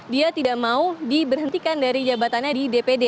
dia tidak mau diberhentikan dari jabatannya di dpd